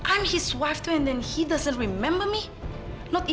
aku istrinya dan dia juga tidak ingat aku